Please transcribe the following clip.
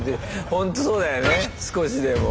ほんとそうだよね少しでも。